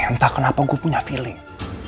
entah kenapa gue punya feeling